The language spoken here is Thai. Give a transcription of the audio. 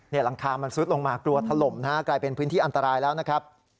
หลังคามันซุดลงมากลัวถล่มนะฮะกลายเป็นพื้นที่อันตรายแล้วนะครับ